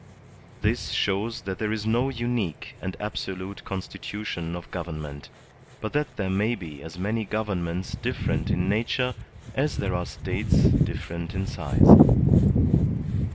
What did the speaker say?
This shows that there is no unique and ab solute constitution of government, but that there may be as many governments different in nature as there are States different in size.